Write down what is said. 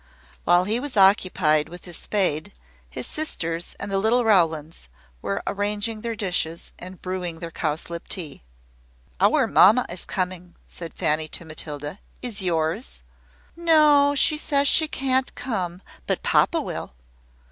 While he was occupied with his spade, his sisters and the little Rowlands were arranging their dishes, and brewing their cowslip tea. "Our mamma is coming," said Fanny to Matilda: "is yours?" "No; she says she can't come but papa will."